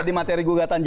di materi gugatan